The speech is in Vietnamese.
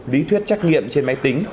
lý thuyết trách nghiệm trên máy tính